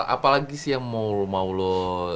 apa lagi sih yang mau lo